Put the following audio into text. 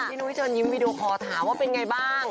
พี่นุ้ยจนยิ้มพี่ดูพอถามว่าเป็นไงบ้าง